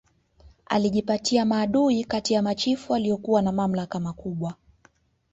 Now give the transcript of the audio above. Alijipatia maadui kati ya machifu waliokuwa na mamlaka makubwa